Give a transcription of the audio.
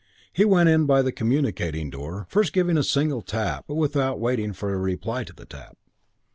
He went in by the communicating door, first giving a single tap but without waiting for a reply to the tap.